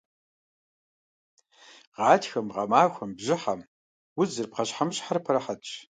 Гъатхэм, гъэмахуэм, бжьыхьэм удзыр, пхъэщхьэмыщхьэхэр пэрыхьэтщ.